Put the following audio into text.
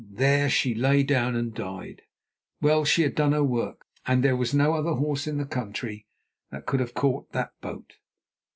There she lay down and died. Well, she had done her work, and there was no other horse in the country that could have caught that boat.